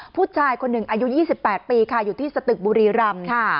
ผู้ชายคนหนึ่งอายุ๒๘ปีค่ะอยู่ที่สตึกบุรีรำ